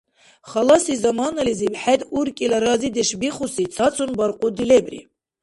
Халаси заманализиб, хӀед уркӀила разидеш бихуси цацун баркьуди лебри